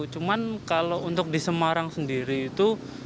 cuman kalau untuk di semarang sendiri itu